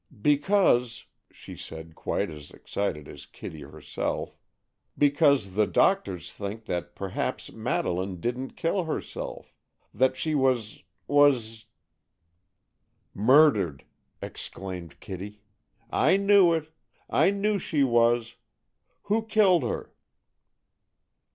"Because," she said, quite as excited as Kitty herself—"because the doctors think that perhaps Madeleine didn't kill herself; that she was—was——" "Murdered!" exclaimed Kitty. "I knew it! I knew she was! Who killed her?"